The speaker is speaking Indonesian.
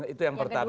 itu yang pertama